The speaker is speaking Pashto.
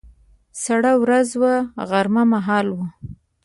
سړه ورځ وه، غرمه مهال و.